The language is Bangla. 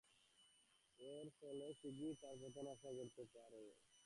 এবং এর ফলে শিগগিরই তার পতন আশা করতে পোর।